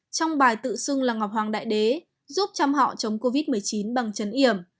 trong bài tự xưng là ngọc hoàng đại đế giúp chăm họ chống covid một mươi chín bằng chấn y